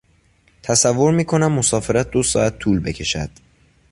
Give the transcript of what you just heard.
تصور میکنم مسافرت دو ساعت طول بکشد.